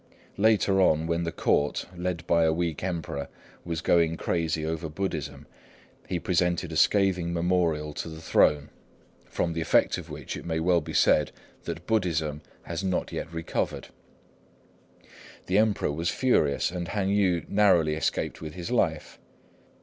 Later on, when the Court, led by a weak Emperor, was going crazy over Buddhism, he presented a scathing Memorial to the Throne, from the effect of which it may well be said that Buddhism has not yet recovered. The Emperor was furious, and Han Yü narrowly escaped with his life.